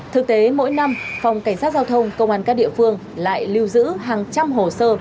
thực tế mỗi năm phòng cảnh sát giao thông công an các địa phương lại lưu giữ hàng trăm hồ sơ